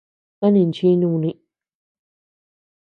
A nanchí núni.